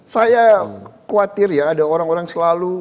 saya khawatir ya ada orang orang selalu